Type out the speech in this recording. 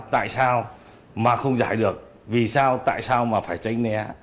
tại sao mà không giải được vì sao tại sao mà phải tránh né